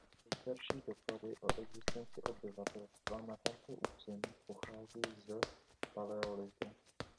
Nejstarší doklady o existenci obyvatelstva na tomto území pochází z paleolitu.